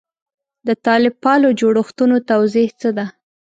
د طالب پالو جوړښتونو توضیح څه ده.